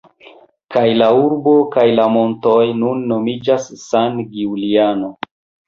Kaj la urbo kaj la montoj nun nomiĝas San Giuliano.